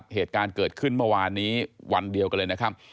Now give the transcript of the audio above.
เหตุการณ์เกิดขึ้นเมื่อวานนี้วันเดียวกันเลยนะครับ